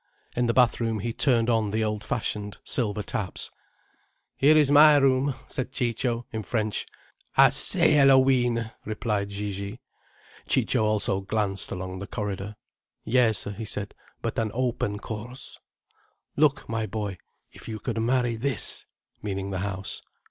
In the bath room he turned on the old fashioned, silver taps. "Here is my room—" said Ciccio in French. "Assez éloigné!" replied Gigi. Ciccio also glanced along the corridor. "Yes," he said. "But an open course—" "Look, my boy—if you could marry this—" meaning the house.